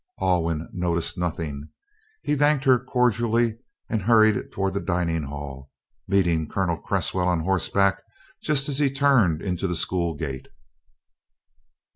Alwyn noticed nothing. He thanked her cordially and hurried toward the dining hall, meeting Colonel Cresswell on horseback just as he turned into the school gate.